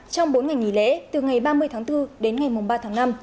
trong bốn ngày nghỉ lễ từ ngày ba mươi tháng bốn đến ngày ba tháng năm